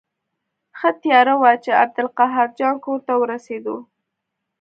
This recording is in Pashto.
ښه تیاره وه چې د عبدالقاهر جان کور ته ورسېدو.